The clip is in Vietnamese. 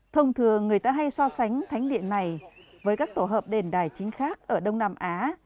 thông thường người ta hay so sánh thánh điện này với các tổ hợp đền đài chính khác ở đông nam á